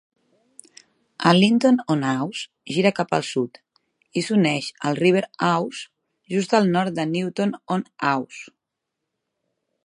A Linton-on-Ouse gira cap al sud i s'uneix al River Ouse, just al nord de Newton-on-Ouse.